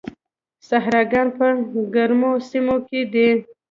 صحراګان په ګرمو سیمو کې دي.